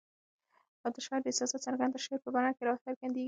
او د شاعر احساسات څرنګه د شعر په بڼه کي را څرګندیږي؟